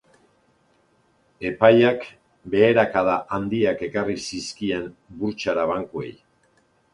Epaiak beherakada handiak ekarri zizkien burtsara bankuei.